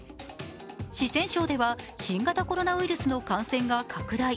四川省では新型コロナウイルスの感染が拡大。